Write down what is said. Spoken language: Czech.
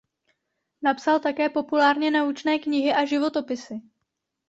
Napsal také populárně naučné knihy a životopisy.